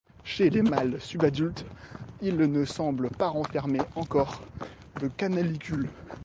Chez les mâles subadultes, il ne semble pas renfermer encore de canalicules.